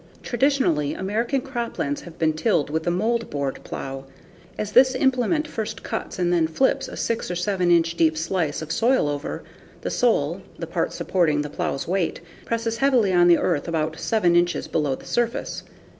Traditionally, American croplands have been tilled with the moldboard plow. As this implement first cuts and then flips a 6 or 7 inch deep slice of soil over, the sole the part supporting the plow's weight presses heavily on the earth about 7 inches below the surface.